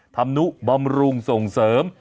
ธรรมนุบำรุงส่งเสริม